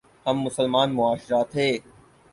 ہم مسلمان معاشرہ تھے۔